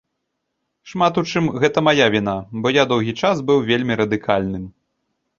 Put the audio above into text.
Шмат у чым гэта мая віна, бо я доўгі час быў вельмі радыкальным.